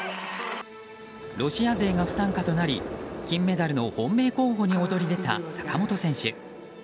ロシア勢が不参加となり金メダルの本命候補に躍り出た坂本選手。